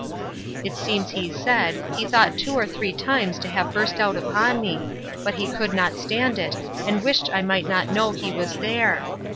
It seems he said, he thought two or three times to have burst out upon me; but he could not stand it, and wished I might not know he was there.